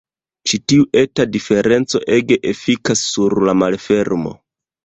Ĉi tiu eta diferenco ege efikas sur la malfermo.